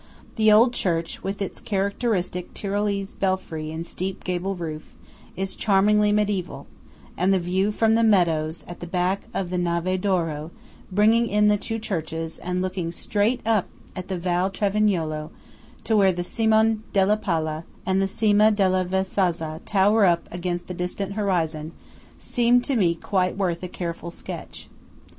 The old church, with its characteristic Tyrolese belfry and steep gable roof, is charmingly mediæval; and the view from the meadows at the back of the Nave d'Oro, bringing in the two churches and looking straight up the Val Travignolo to where the Cimon della Pala and the Cima della Vezzana tower up against the distant horizon, seemed to me quite worth a careful sketch.